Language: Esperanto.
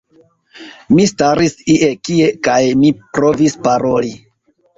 Mi staris ie tie kaj mi provis paroli